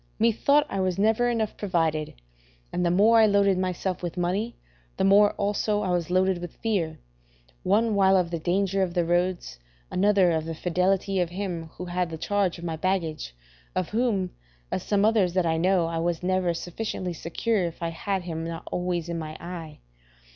Methought I was never enough provided: and the more I loaded myself with money, the more also was I loaded with fear, one while of the danger of the roads, another of the fidelity of him who had the charge of my baggage, of whom, as some others that I know, I was never sufficiently secure if I had him not always in my eye.